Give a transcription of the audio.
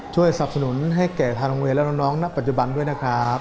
สับสนุนให้แก่ทางโรงเรียนและน้องณปัจจุบันด้วยนะครับ